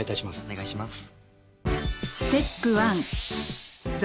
お願いします。